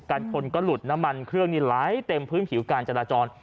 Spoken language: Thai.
ชนก็หลุดน้ำมันเครื่องนี่ไหลเต็มพื้นผิวการจราจร